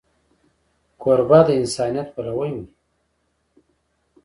کوربه د انسانیت پلوی وي.